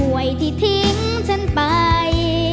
ผู้ชายห่วยห่วยที่ทิ้งฉันไป